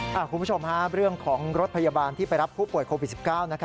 คุณผู้ชมเรื่องของรถพยาบาลที่ไปรับผู้ป่วยโควิด๑๙